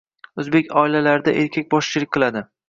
O‘zbek oilalarida erkak boshchilik qiladi.